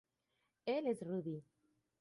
Él es Rudy".